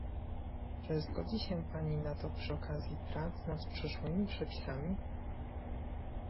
Czy zgodzi się Pani na to przy okazji prac nad przyszłymi przepisami?